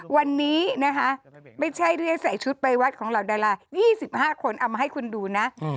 วันนี้นะคะไม่ใช่เรียกใส่ชุดไปวัดของเหล่าดารา๒๕คนเอามาให้คุณดูนะ